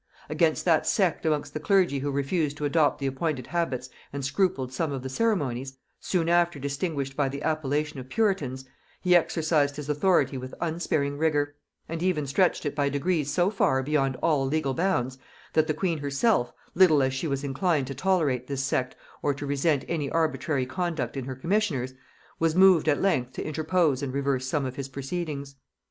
Against that sect amongst the clergy who refused to adopt the appointed habits and scrupled some of the ceremonies, soon after distinguished by the appellation of Puritans, he exercised his authority with unsparing rigor; and even stretched it by degrees so far beyond all legal bounds, that the queen herself, little as she was inclined to tolerate this sect or to resent any arbitrary conduct in her commissioners, was moved at length to interpose and reverse some of his proceedings.